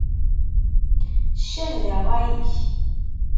Ccah di ṛṛay-ik!